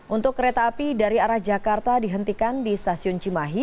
untuk kereta api dari arah jakarta dihentikan di stasiun cimahi